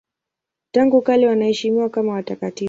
Tangu kale wanaheshimiwa kama watakatifu.